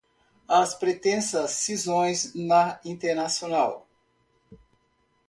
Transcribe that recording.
As Pretensas Cisões na Internacional